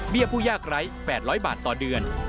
ผู้ยากไร้๘๐๐บาทต่อเดือน